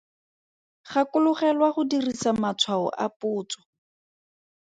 Gakologelwa go dirisa matshwao a potso.